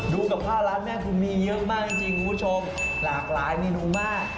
กับข้าวร้านแม่คุณมีเยอะมากจริงคุณผู้ชมหลากหลายเมนูมาก